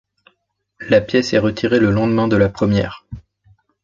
La pièce est retirée le lendemain de la première.